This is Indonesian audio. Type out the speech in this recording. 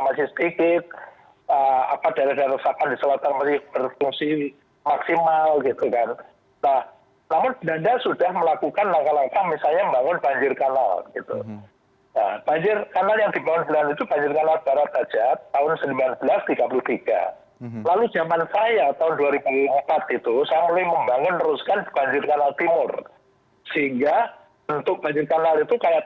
masyarakat harus bertanggung jawab juga terhadap banjir